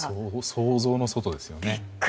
想像の外ですよね。